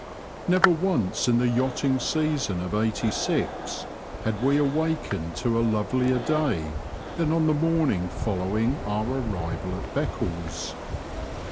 Never once in the yachting season of '86 had we awakened to a lovelier day than on the morning following our arrival at Beccles.